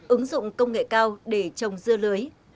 ứng dụng công nghệ cao để trồng dưa lưới